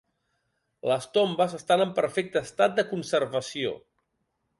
Les tombes estan en perfecte estat de conservació.